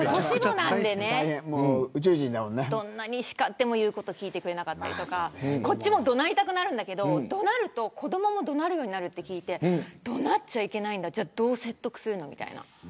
どんなに、しかっても言うことを聞いてくれなかったりこっちも怒鳴りたくなるけど怒鳴ると子どもも怒鳴るようになると聞いてじゃあどう説得するのと。